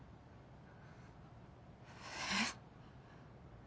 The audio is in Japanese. えっ？